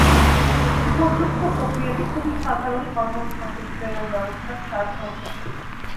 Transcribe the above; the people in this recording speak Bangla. উপর্যুক্ত প্রক্রিয়াটি খুবই সাধারণ হরমোন সংকেত প্রেরণ ব্যবস্থার সারসংক্ষেপ।